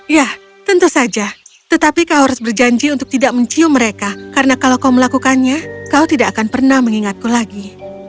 ya tentu saja tetapi kau harus berjanji untuk tidak mencium mereka karena kalau kau melakukannya kau tidak akan pernah mengingatku lagi